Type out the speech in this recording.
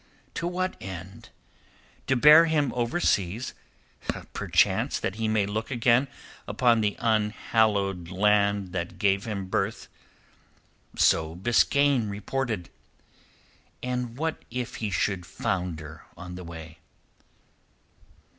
To what end? To bear him overseas, perchance that he may look again upon the unhallowed land that gave him birth. So Biskaine reported. And what if he should founder on the way?"